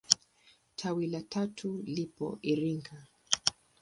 Tawi la tatu lipo Iringa.